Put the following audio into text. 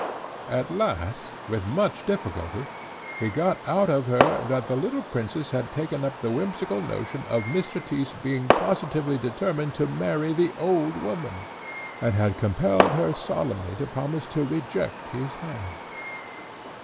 At last, with much difficulty, he got out of her that the little princess had taken up the whimsical notion of Mr. Tyss being positively determined to marry the old woman, and had compelled her solemnly to promise to reject his hand.